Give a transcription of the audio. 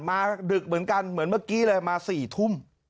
ดึกเหมือนกันเหมือนเมื่อกี้เลยมา๔ทุ่ม